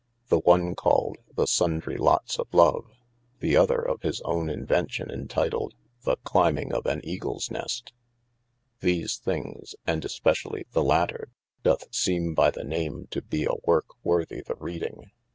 The one called, the Sundry lots of love. The other of his owne invencion entituled. The clyming of an Eagles neast. These thinges (and especially the later) doth seeme by the name to be a work worthy the reading.